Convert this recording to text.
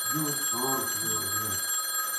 یوہ سو رُپیو لیوں